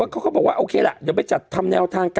เขาก็บอกว่าโอเคล่ะเดี๋ยวไปจัดทำแนวทางกัน